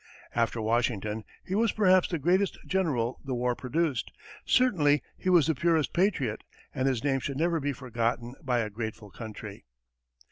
After Washington, he was perhaps the greatest general the war produced; certainly he was the purest patriot, and his name should never be forgotten by a grateful country.